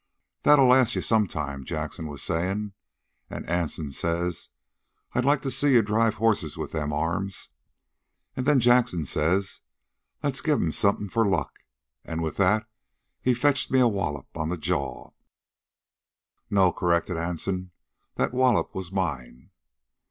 'That'll last you some time,' Jackson was sayin'. An' Anson says, 'I'd like to see you drive horses with them arms.' An' then Jackson says, 'let's give 'm something for luck.' An' with that he fetched me a wallop on the jaw " "No," corrected Anson. "That wallop was mine."